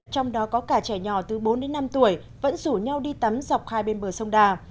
trong đó có cả trẻ nhỏ từ bốn đến năm tuổi vẫn rủ nhau đi tắm dọc hai bên bờ sông đà